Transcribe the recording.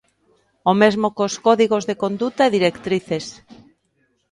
O mesmo cos códigos de conduta e directrices.